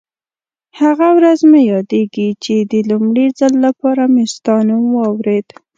هغه ورځ مې یادېږي چې د لومړي ځل لپاره مې ستا نوم واورېد.